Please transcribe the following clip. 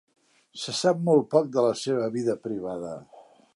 Se sap molt poc de la seva vida privada.